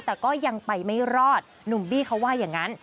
แต่ก็ยังไปไม่รอดหนุ่มบี้เขาว่าอย่างนั้น